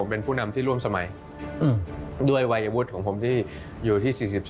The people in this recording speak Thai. เป็นผู้นำที่ร่วมสมัยด้วยวัยวุฒิของผมที่อยู่ที่๔๘